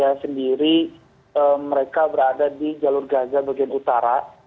saya sendiri mereka berada di jalur gaza bagian utara